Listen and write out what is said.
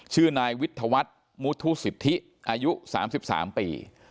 ชื่อนายวิทยาวัฒน์มุทุสิทธิอายุ๓๓ปี